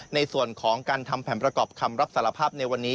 ในส่วนของการทำแผนประกอบคำรับสารภาพในวันนี้